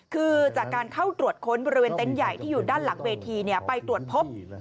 คือจากการเข้าตรวจค้นบริเวณเต็นต์ใหญ่ที่อยู่ด้านหลังเวทีไปตรวจพบ